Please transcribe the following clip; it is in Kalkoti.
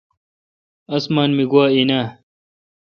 اسمان می آگو این اے۔